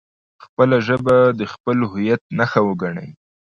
خپله ژبه د خپل هویت نښه وګڼئ.